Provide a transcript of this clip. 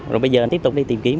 rồi bây giờ anh tiếp tục đi tìm kiếm